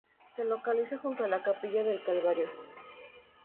Se localiza junto a la Capilla del Calvario.